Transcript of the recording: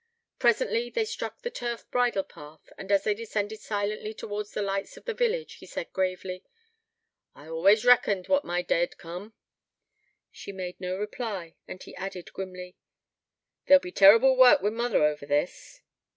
Presently they struck the turf bridle path, and, as they descended silently towards the lights of the village, he said gravely: 'I always reckoned what my day 'ud coom.' She made no reply; and he added grimly: 'There'll be terrible work wi' mother over this.'